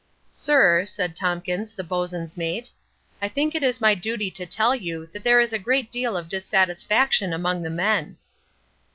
"Sir," said Tompkins, the bosun's mate, "I think it my duty to tell you that there is a great deal of dissatisfaction among the men."